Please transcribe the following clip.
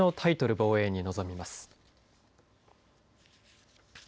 防衛に臨みます。